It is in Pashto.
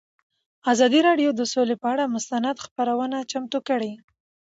ازادي راډیو د سوله پر اړه مستند خپرونه چمتو کړې.